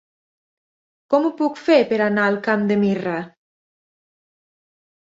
Com ho puc fer per anar al Camp de Mirra?